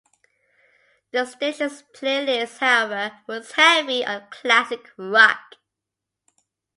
The station's playlist, however, was heavy on classic rock.